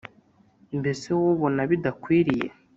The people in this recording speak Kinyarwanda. mbese wowe ubona bidakwiriye